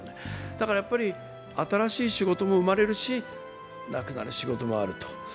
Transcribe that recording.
だから新しい仕事も生まれるし、なくなる仕事もあると。